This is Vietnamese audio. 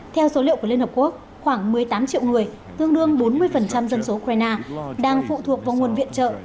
theo số liệu của liên hợp quốc khoảng một mươi tám triệu người tương đương bốn mươi dân số ukraine đang phụ thuộc vào nguồn viện trợ